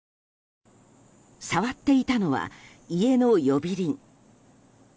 触っていたのは家の呼び鈴。